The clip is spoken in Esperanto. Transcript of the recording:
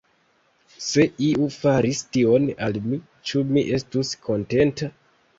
Se iu faris tion al mi, ĉu mi estus kontenta?